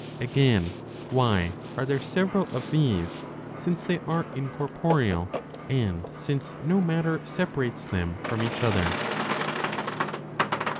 Again, why are there several of these, since they are incorporeal, and since no matter separates them from each other?